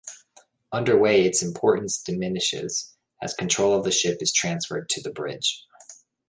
Underway, its importance diminishes as control of the ship is transferred to the bridge.